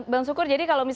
begitu mbak putri